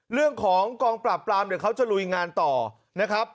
เรื่องของกองปราบปรามเดี๋ยวเขาจะลุยงานต่อนะครับ